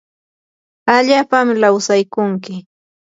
allapam lawsaykunki